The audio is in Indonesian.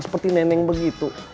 seperti neneng begitu